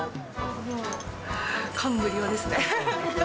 もう感無量ですね。